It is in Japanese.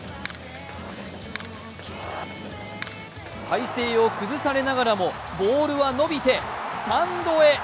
体勢を崩されながらもボールは伸びてスタンドへ。